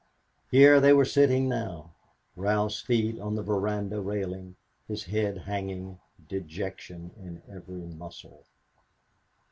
Here they were sitting now, Ralph's feet on the veranda railing, his head hanging dejection in every muscle.